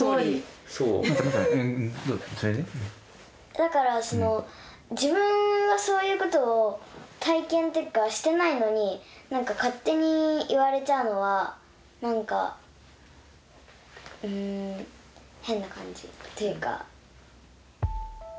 だからその自分はそういうことを体験っていうかしてないのに勝手に言われちゃうのはなんか変な感じっていうか。